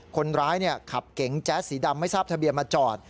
คนขับเก๋งแจ๊สสีดำไม่ทราบทะเบียนมาจอด